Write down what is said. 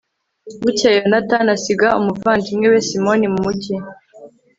bukeye, yonatani asiga umuvandimwe we simoni mu mugi